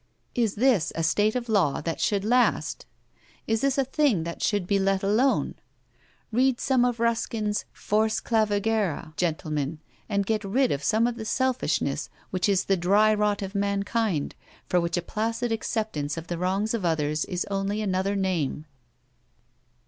Is this a state of law that should last? Is this a thing that should be let alone? Read some of Ruskin's 'Fors Clavigera,' gentlemen, and get rid of some of the selfishness which is the dry rot of mankind, for which a placid acceptance of the wrongs of others is only another name.